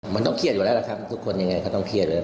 มันต้องเครียดอยู่แล้วล่ะครับทุกคนยังไงก็ต้องเครียดเลย